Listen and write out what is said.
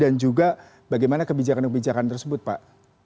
dan juga bagaimana kebijakan kebijakan tersebut pak